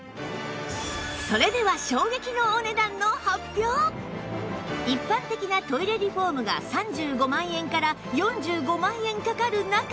それでは一般的なトイレリフォームが３５万円から４５万円かかる中